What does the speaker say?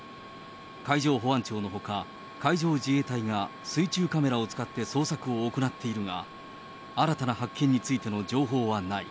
海上保安庁のほか、海上自衛隊が、水中カメラを使って捜索を行っているが、新たな発見についての情報はない。